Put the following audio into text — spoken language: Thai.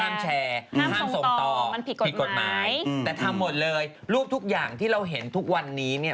เนี่ยนะครับเขาก็มีบอกมาเนี่ย